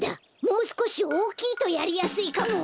もうすこしおおきいとやりやすいかも！